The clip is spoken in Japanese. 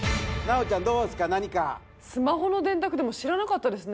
スマホの電卓知らなかったですね